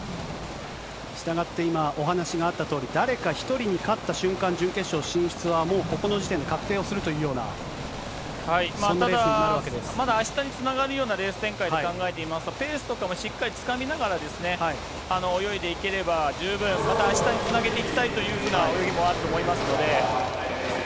したがって今、お話があったとおり、誰か一人に勝った瞬間、準決勝進出はもうここの時点で確定するような、そんなレースになあしたにつながるようなレース展開と考えていますと、ペースとかもしっかりつかみながら、泳いでいければ、十分、またあしたにつなげていきたいというような泳ぎもあると思いますので。